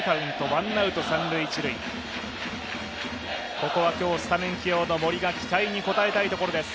ここは今日スタメン起用の森が期待に応えたいところです。